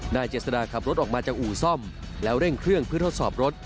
นายเจษดาขับรถออกมาจากอู่ซ่อมแล้วเร่งเครื่องเพื่อทดสอบรถ